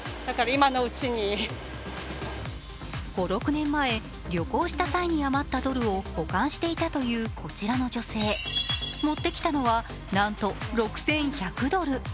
５６年前、旅行した際に余ったドルを保管していたという、こちらの女性持ってきたのはなんと６１００ドル。